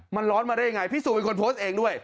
มันร้อนมาได้ยังไงพี่สู่เป็นคนโพสต์เองด้วย